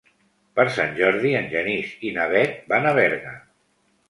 Per Sant Jordi en Genís i na Bet van a Berga.